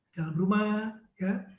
jalan rumah ya